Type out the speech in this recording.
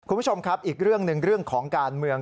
คุณผู้ชมครับอีกเรื่องหนึ่งเรื่องของการเมือง